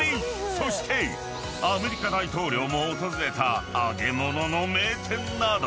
［そしてアメリカ大統領も訪れた揚げ物の名店など］